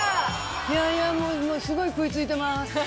いやいやもうすごい食いついてます。